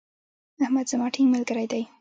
احمد زما ټينګ ملګری دی.